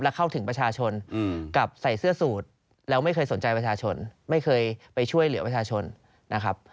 และเข้าถึงประชาชนกับใส่เสื้อสูตรแล้วไม่เคยสนใจประชาชนไม่เคยไปช่วยเหลือประชาชนนะครับ